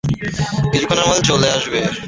কিছুক্ষণের মধ্যে চলে আসবে।